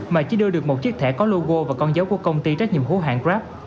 mà chỉ đưa được một chiếc thẻ có logo vào con dấu của công ty trách nhiệm hữu hạng grab